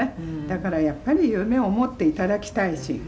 「だからやっぱり夢を持っていただきたいし」